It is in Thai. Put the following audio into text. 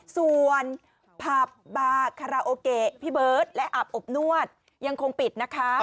ส่วนผับบาคาราโอเกะพี่เบิร์ตและอับอบนวดยังคงปิดนะคะ